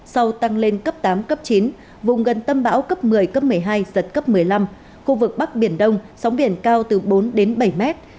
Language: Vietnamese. sau tăng lên cấp tám cấp chín vùng gần tâm bão cấp một mươi cấp một mươi hai giật cấp một mươi năm khu vực bắc biển đông sóng biển cao từ bốn đến bảy mét